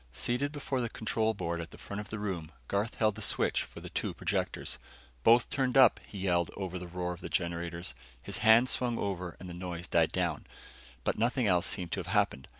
Seated before the control board at the front of the room, Garth held the switch for the two projectors. "Both turned up," he yelled over the roar of the generators. His hands swung over and the noise died down, but nothing else seemed to have happened.